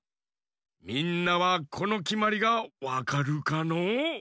みんなはこのきまりがわかるかのう？